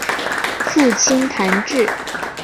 父亲谭智。